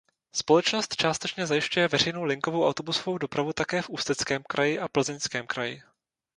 Společnost částečně zajišťuje veřejnou linkovou autobusovou dopravu také v Ústeckém kraji a Plzeňském kraji.